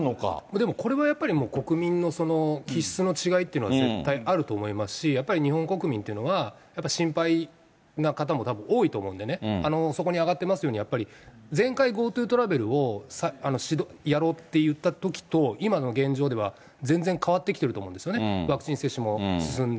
でもこれはやっぱり国民の気質の違いというのが絶対あると思いますし、やっぱり日本国民というのは、やっぱ心配な方もたぶん、多いと思うんでね、そこに挙がってますように、やっぱり前回ＧｏＴｏトラベルをやろうって言ったときと今の現状では、全然変わってきていると思うんですよね、ワクチン接種も進んで。